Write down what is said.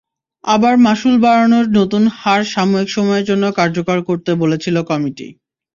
আবার মাশুল বাড়ানোর নতুন হার সাময়িক সময়ের জন্য কার্যকর করতে বলেছিল কমিটি।